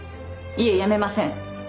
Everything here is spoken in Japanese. いえやめません！